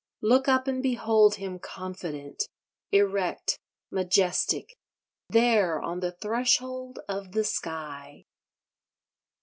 Look up and behold him confident, erect, majestic—there on the threshold of the sky!